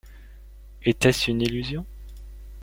Était-ce une illusion?